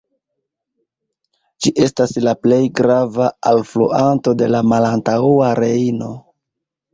Ĝi estas la plej grava alfluanto de la Malantaŭa Rejno.